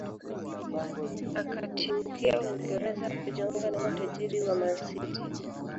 Akatimkia Uingereza kujiunga na matajiri wa Man City